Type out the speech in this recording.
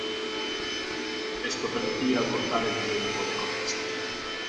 Esto permitía acortar el tiempo de conexión.